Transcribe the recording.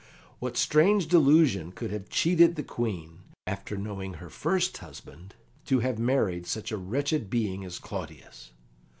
What strange delusion could have cheated the Queen, after knowing her first husband, to have married such a wretched being as Claudius?